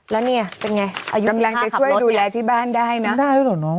แล้วนี่เป็นไงอายุ๑๕ขับรถนี่ได้หรอน้อง